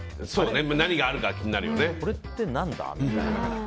何があるかってなるよね。